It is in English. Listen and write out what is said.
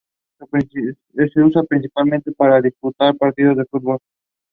She further studied Communication design at the Indus Valley School of Art and Architecture.